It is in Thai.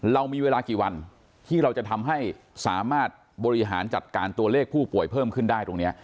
เรามีเวลากี่วันที่เราจะทำให้สามารถบริหารจัดการตัวเลขผู้ป่วยเพิ่มขึ้นได้ตรงนี้